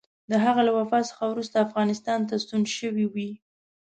د هغه له وفات څخه وروسته افغانستان ته ستون شوی وي.